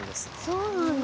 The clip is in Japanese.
そうなんだ。